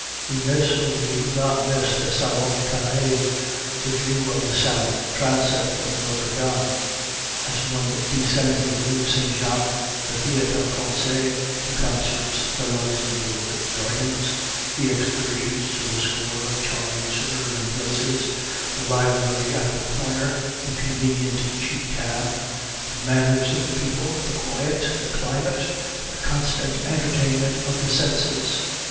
We miss or we do not miss the Salon Carré, the view of the south transept of Notre Dame as one descends the rue St. Jacques, the Théâtre Français, the concerts, the Luxembourg Gardens, the excursions to the score of charming suburban places, the library at the corner, the convenient cheap cab, the manners of the people, the quiet, the climate, the constant entertainment of the senses.